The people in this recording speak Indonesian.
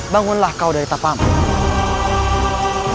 bangunlah kau dari tapamu